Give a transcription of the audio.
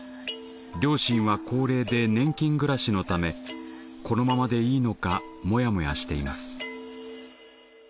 両親は高齢で年金暮らしのためこのままでいいのかモヤモヤしています。